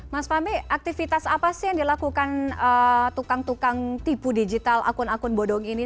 mas fahmi aktivitas apa sih yang dilakukan tukang tukang tipu digital akun akun bodong ini